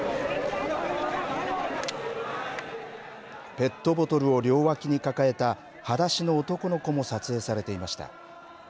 ペットボトルを両脇に抱えたはだしの男の子も撮影されていました。